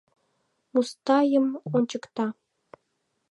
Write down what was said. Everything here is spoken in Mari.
Мустайым ончыкта.